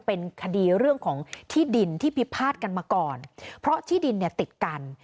เป็นคดีเรื่องของที่ดินที่พิพาทกันมาก่อนเพราะที่ดินเนี่ยติดกัน